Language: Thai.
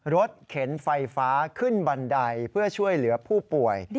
เข็นไฟฟ้าขึ้นบันไดเพื่อช่วยเหลือผู้ป่วย